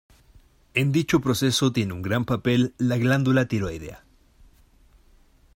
En dicho proceso tiene un gran papel la glándula tiroidea.